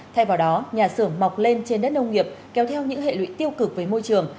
thay vào đó nhà xưởng mọc lên trên đất nông nghiệp kéo theo những hệ lụy tiêu cực với môi trường